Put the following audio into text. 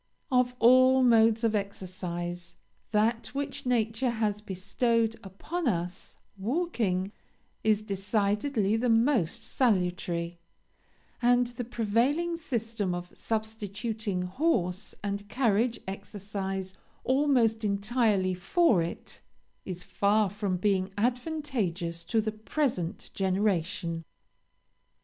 "Of all modes of exercise, that which nature has bestowed upon us, walking, is decidedly the most salutary; and the prevailing system of substituting horse and carriage exercise almost entirely for it, is far from being advantageous to the present generation.